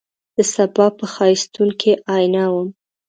دسبا په ښایستون کي آئینه وم